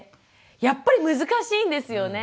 やっぱり難しいんですよね。